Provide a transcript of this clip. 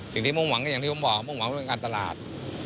สิ่งที่มุ่งหวังก็อย่างที่ผมบอกมุ่งหวังว่าเป็นเรื่องการตลาด